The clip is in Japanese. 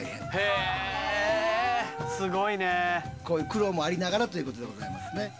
こういう苦労もありながらということでございますね。